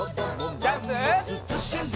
ジャンプ！